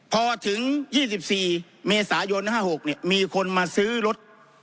พอถึง๒๔เมษายน๕๖มีคนมาซื้อรถ